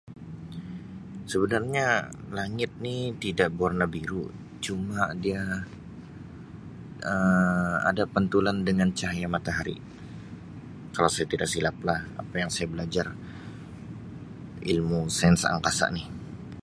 Sebenarnya langit ni tidak berwarna biru cuma dia Um ada pantulan dengan cahaya matahari kalau saya tidak silap lah apa yang saya belajar ilmu sains angkasa ni.